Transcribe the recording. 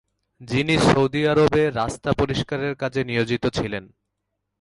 যিনি সৌদি আরবে রাস্তা পরিষ্কারের কাজে নিয়োজিত ছিলেন।